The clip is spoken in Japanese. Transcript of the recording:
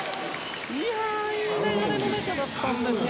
いい流れの中だったんですが。